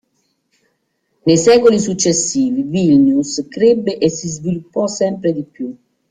Nei secoli successivi, Vilnius crebbe e si sviluppò sempre di più.